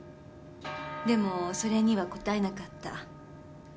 でもそれには応えなかった。